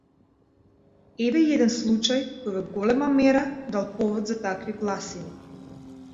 Еве и еден случај кој во голема мера дал повод за такви гласини.